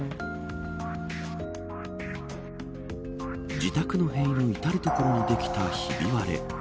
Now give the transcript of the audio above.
自宅の塀のいたる所にできたひび割れ。